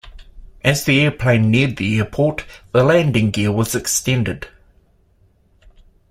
As the airplane neared the airport, the landing gear was extended.